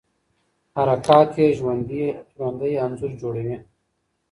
حرکات یې ژوندی انځور جوړوي.